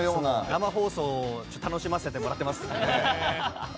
生放送楽しませてもらってます。